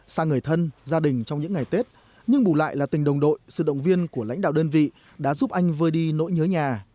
xa người thân gia đình trong những ngày tết nhưng bù lại là tình đồng đội sự động viên của lãnh đạo đơn vị đã giúp anh vơi đi nỗi nhớ nhà